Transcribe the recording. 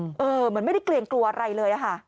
อืมเออเหมือนไม่ได้เกลียงกลัวอะไรเลยอ่ะค่ะ